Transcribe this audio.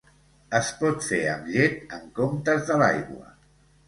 Es pot fer amb llet en comptes de l'aigua.